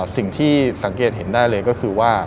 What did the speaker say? สิ่งที่สังเกตเห็นได้เลยก็คือว่า